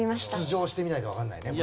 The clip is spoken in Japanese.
出場してみないとわかんないね